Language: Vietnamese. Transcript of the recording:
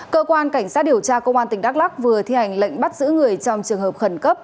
cơ quan cảnh sát điều tra công an tỉnh đắk lắc vừa thi hành lệnh bắt giữ người trong trường hợp khẩn cấp